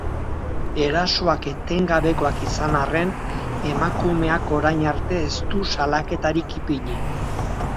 Erasoak etengabekoak izan arren, emakumeak orain arte ez du salaketarik ipini.